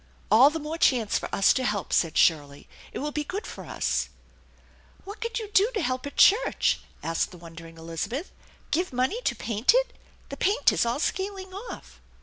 "All the more chance for us to help !" said Shirley. " It will be good for us/' " What could you do to help a church ?" asked the won dering Elizabeth. " Give money to paint it ? The paint is all scaling off."